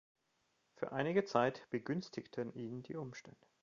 Für einige Zeit begünstigten ihn die Umstände.